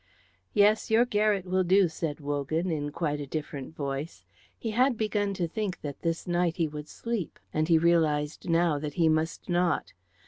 "Yes, your garret will do," said Wogan, in quite a different voice. He had begun to think that this night he would sleep, and he realised now that he must not.